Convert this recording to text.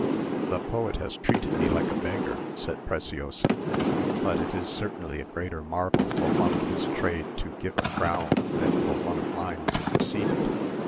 "The poet has treated me like a beggar," said Preciosa; "but it is certainly a greater marvel for one of his trade to give a crown than for one of mine to receive it.